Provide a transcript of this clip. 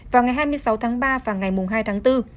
vào ngày hai mươi sáu tháng ba và ngày hai tháng bốn